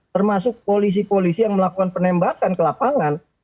termasuk polisi polisi yang melakukan penembakan ke lapangan